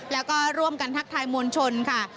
แล้วก็ร่วมกันทักทายมวลชนค่ะ